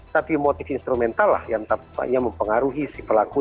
tapi motif instrumentallah yang tampaknya mempengaruhi si pelaku